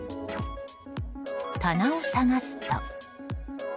棚を探すと。